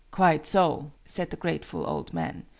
"Quite so," said the grateful old man.)